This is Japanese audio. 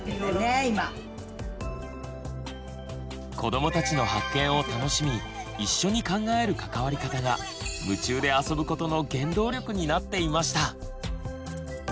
子どもたちの発見を楽しみ一緒に考える関わり方が夢中であそぶことの原動力になっていました。